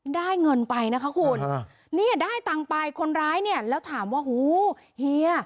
ได้เงินไปนะคะคุณเนี่ยได้ตังค์ไปคนร้ายเนี่ยแล้วถามว่าหูเฮีย